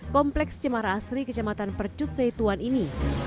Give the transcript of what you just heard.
kompleks cemara asri kecamatan percut seituan ini